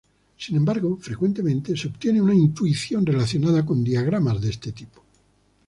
Sin embargo, frecuentemente se obtiene una intuición relacionada con diagramas de este tipo.